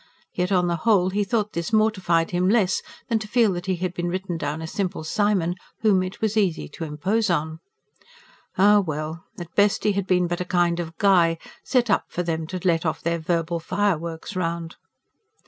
Yet, on the whole, he thought this mortified him less than to feel that he had been written down a Simple Simon, whom it was easy to impose on. Ah well! At best he had been but a kind of guy, set up for them to let off their verbal fireworks round.